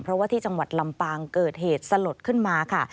เพราะว่าที่จังหวัดลำปางเกิดเหตุสลดขึ้นมาค่ะ